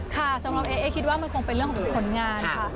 ค่ะสำหรับเอ๊คิดว่ามันคงเป็นเรื่องของผลงานค่ะ